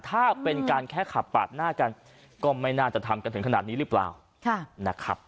ถ้าเป็นการแค่ขับปาดหน้ากันก็ไม่น่าจะทำกันถึงขนาดนี้หรือเปล่านะครับ